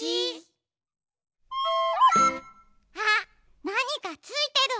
あっなにかついてる！